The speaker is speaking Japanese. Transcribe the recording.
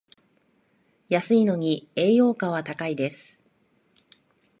安いのに栄養価は高いです